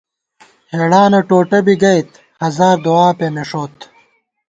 ہېڑانہ ٹوٹہ بی گَئیت ، ہزار دُعا پېمېݭوت